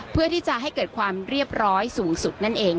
เพื่อที่จะให้เกิดความเรียบร้อยสูงสุดนั่นเอง